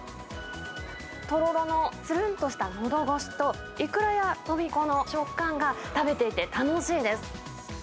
とろろのつるんとしたのど越しと、いくらやとびこの食感が食べていて楽しいです。